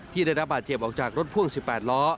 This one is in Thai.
ที่ได้รับบาดเจ็บออกจากรถพ่วง๑๘ล้อ